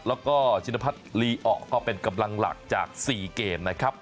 แล้วก็ชินพัฒน์ลีอะก็เป็นกำลังหลักจาก๔เกมนะครับ